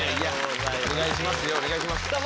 お願いします。